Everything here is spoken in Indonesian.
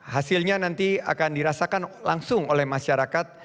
hasilnya nanti akan dirasakan langsung oleh masyarakat